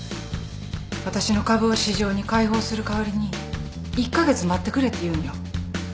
私の株を市場に開放する代わりに１カ月待ってくれって言うんよ